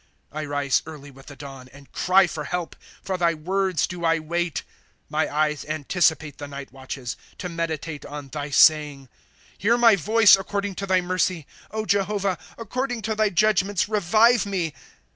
' I rise early with the dawn, and cry for help ; For thy words do I wait. ' My eyes anticipate the night watches, To meditate on thy saying. • Hear my voice according to thy mercy ; Jehovah, according to thy judgments revive me.